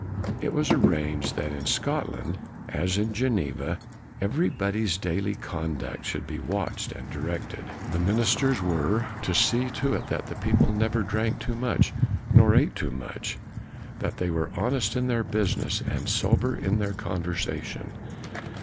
It was arranged that in Scotland, as in Geneva, everybody's daily conduct should be watched and directed. The 136 KNOX ministers were to see to it that the people neither drank too much nor ate too much, that they were honest in their business, and sober in their conversation.